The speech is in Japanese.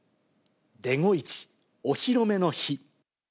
デゴイチお披露目の日。